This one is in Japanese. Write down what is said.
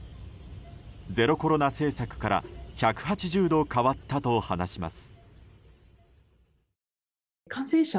ゼロコロナ政策から１８０度変わったと話します。